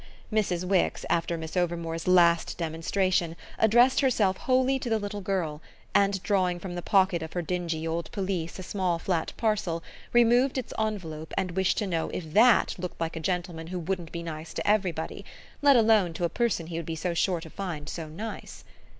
Mrs. Wix, after Miss Overmore's last demonstration, addressed herself wholly to the little girl, and, drawing from the pocket of her dingy old pelisse a small flat parcel, removed its envelope and wished to know if THAT looked like a gentleman who wouldn't be nice to everybody let alone to a person he would be so sure to find so nice.